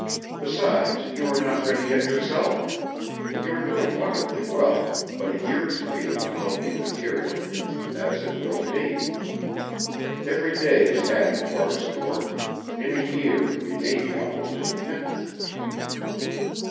Besides, you are not ready yet yourself. You are doing wonderfully well, but a year's freedom will help you materially, as it will me. Every day is adding to our store; in a year we may be almost independent."